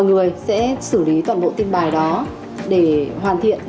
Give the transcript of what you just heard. nhiều người sẽ xử lý toàn bộ tin bài đó để hoàn thiện